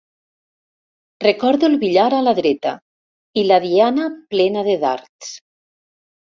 Recordo el billar a la dreta i la diana plena de dards.